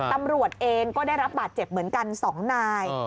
ตำรวจเองก็ได้รับบาดเจ็บเหมือนกัน๒นาย